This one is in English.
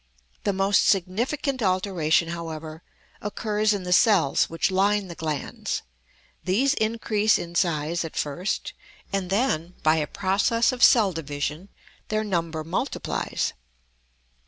The most significant alteration, however, occurs in the cells which line the glands; these increase in size at first; and then, by a process of cell division, their number multiplies.